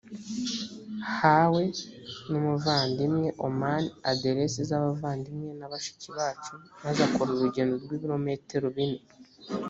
hawe n umuvandimwe oman aderesi z abavandimwe na bashiki bacu maze akora urugendo rw ibirometero bine